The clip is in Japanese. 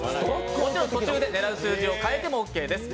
もちろん途中で狙う数字を変えてもオッケーです。